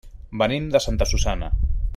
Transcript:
Venim de Santa Susanna.